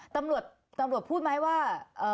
ตำรวจพูดมั้ยว่า